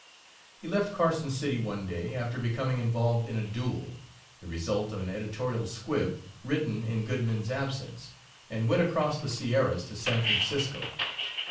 He left Carson City one day, after becoming involved in a duel, the result of an editorial squib written in Goodman's absence, and went across the Sierras to San Francisco.